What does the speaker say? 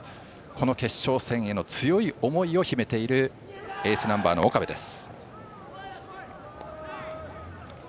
この決勝戦への強い思いを秘めているエースナンバーの岡部です。